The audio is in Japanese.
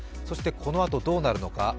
そして、このあとどうなるのか。